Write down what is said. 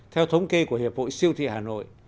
theo thống kê của hiệp hội siêu thị hà nội